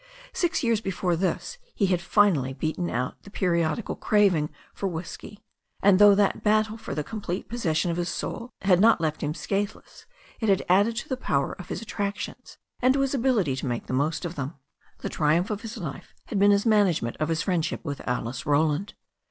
Six years before this he had finally beaten out his periodical craving for whisky, and though that battle for the complete possession of his soul had not left him scatheless it had added to the power of his attrac tions and to his ability to make the most of them. The triumph of his life had been his management of his . friendship with Alice Roland.